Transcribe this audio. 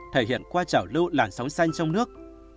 thể hiện qua trảo lưu làn sóng xanh trong nước